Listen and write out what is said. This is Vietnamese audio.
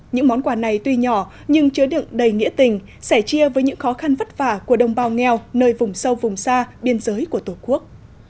những món quà này tuy nhỏ nhưng chứa đựng đầy nghĩa tình sẻ chia với những khó khăn vất vả của đồng bào nghèo nơi vùng sâu vùng xa biên giới của tổ quốc